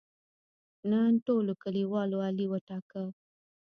نن ټولو کلیوالو علي وټاکه.